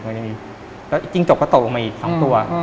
แล้วจริงจกก็ตกลงมาอีก๒ตัว